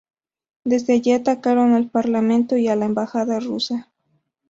Desde allí atacaron al Parlamento y a la Embajada Rusa.